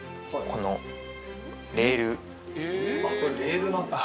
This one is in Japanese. これレールなんですか？